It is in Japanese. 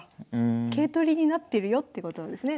桂取りになってるよってことですね